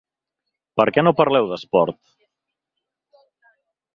Per què no parleu d’esport?